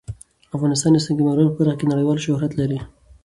افغانستان د سنگ مرمر په برخه کې نړیوال شهرت لري.